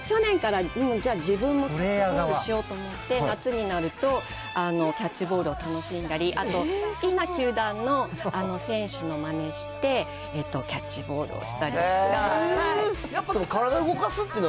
去年から、じゃあ自分もキャッチボールしようと思って、夏になると、キャッチボールを楽しんだり、あと好きな球団の選手のまねして、キャッチボールをしたりとかが。